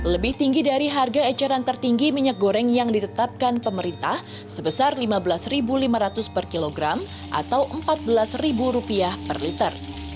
lebih tinggi dari harga eceran tertinggi minyak goreng yang ditetapkan pemerintah sebesar rp lima belas lima ratus per kilogram atau rp empat belas per liter